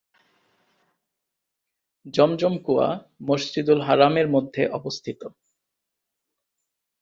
জমজম কুয়া মসজিদুল হারামের মধ্যে অবস্থিত।